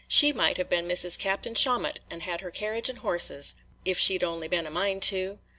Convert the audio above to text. She might have been Mrs. Captain Shawmut, and had her carriage and horses, if she 'd only been a mind to."